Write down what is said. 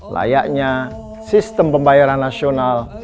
layaknya sistem pembayaran nasional